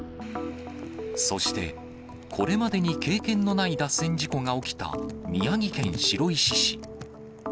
そして、これまでに経験のない脱線事故が起きた宮城県白石市。